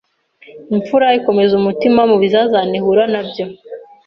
Imfura ikomeza umutima mu bizazane ihura na byo.